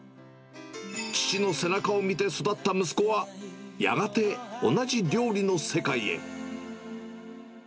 父の背中を見て育った息子はやがて同じ料理の世界へ。